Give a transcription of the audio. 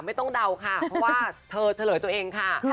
เดาค่ะเพราะว่าเธอเฉลยตัวเองค่ะ